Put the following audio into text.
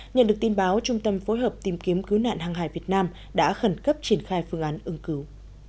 nhận được tin báo trung tâm phối hợp tìm kiếm cứu nạn hàng hải việt nam đã khẩn cấp triển khai phương án ứng cứu